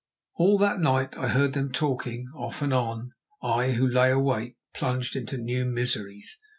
All that night I heard them talking off and on—I, who lay awake plunged into new miseries.